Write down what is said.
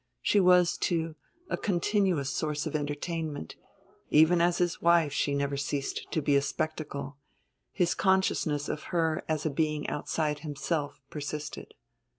She was, too, a continuous source of entertainment, even as his wife she never ceased to be a spectacle; his consciousness of her as a being outside himself persisted.